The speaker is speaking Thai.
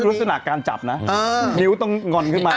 ลักษณะการจับนะนิ้วต้องงอนขึ้นมา